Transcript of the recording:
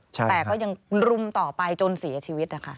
แต่ก็ยังรุมต่อไปจนเสียชีวิตนะคะ